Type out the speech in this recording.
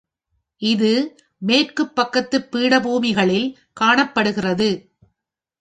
இது மேற்குப் பக்கத்துப் பீடபூமிகளில் காணப்படுகிறது.